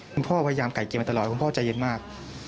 คุณพ่อพยายามไก่เกลียมาตลอดคุณพ่อใจเย็นมาก